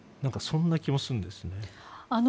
そんな気もするんですね。